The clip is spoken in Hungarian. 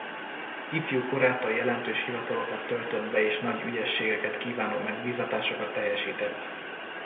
Ifjú korától jelentős hivatalokat töltött be és nagy ügyességeket kívánó megbízatásokat teljesített.